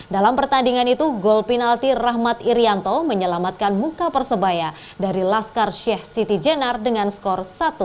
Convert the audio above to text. dalam pertandingan itu gol penalti rahmat irianto menyelamatkan muka persebaya dari laskar sheikh siti jenar dengan skor satu